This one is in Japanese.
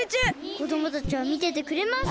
こどもたちはみててくれます！